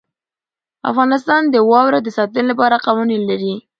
افغانستان د واوره د ساتنې لپاره قوانین لري.